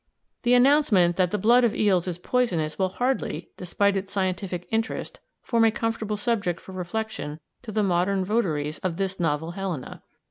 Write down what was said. The announcement that the blood of eels is poisonous will hardly, despite its scientific interest, form a comfortable subject for reflection to the modern votaries of this novel Helena.